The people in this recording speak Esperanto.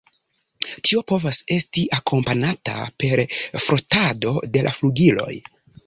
Tio povas esti akompanata per frotado de la flugiloj.